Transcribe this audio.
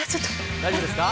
大丈夫ですか？